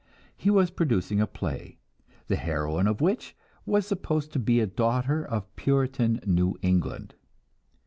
He was producing a play, the heroine of which was supposed to be a daughter of Puritan New England.